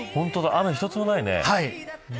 雨一つもないね。